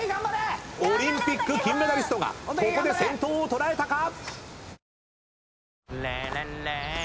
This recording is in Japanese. オリンピック金メダリストがここで先頭を捉えたか？